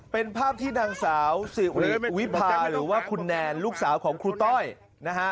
เป็นภาพที่นางสาวสิริวิพาหรือว่าคุณแนนลูกสาวของครูต้อยนะฮะ